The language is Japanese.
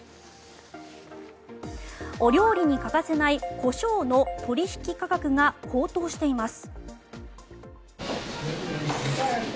お料理に欠かせないコショウの取引価格が高騰しています。